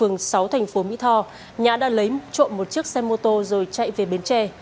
nhã đã lấy trộm một chiếc xe mô tô rồi chạy về bến tre